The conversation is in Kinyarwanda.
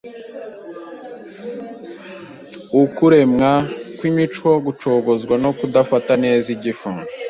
Ukuremwa kw’imico gucogozwa no kudafata neza igifu